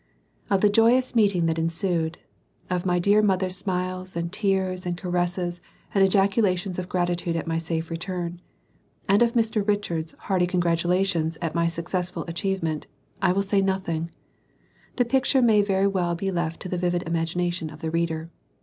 Of the joyous meeting that ensued of my dear mother's smiles and tears and caresses and ejaculations of gratitude at my safe return and of Mr Richards' hearty congratulations at my successful achievement I will say nothing; the picture may very well be left to the vivid imagination of the reader.